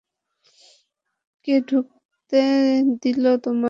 কে ঢুকতে দিলো তোমাদের?